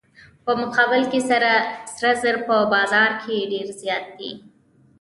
په مقابل کې سره زر په بازار کې ډیر زیات دي.